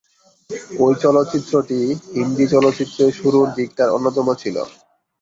ঐ চলচ্চিত্রটি হিন্দি চলচ্চিত্রের শুরুর দিককার অন্যতম ছিল।